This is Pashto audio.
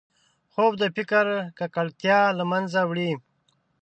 خوب د فکر ککړتیا له منځه وړي